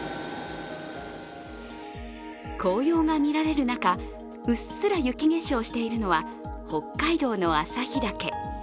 紅葉が見られる中、うっすら雪化粧しているのが、北海道の旭岳。